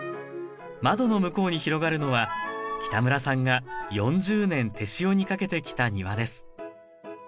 窓の向こうに広がるのは北村さんが４０年手塩にかけてきた庭です